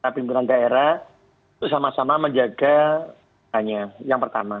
pimpinan daerah itu sama sama menjaga hanya yang pertama